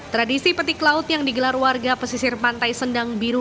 tradisi petik laut yang digelar warga pesisir pantai sendang biru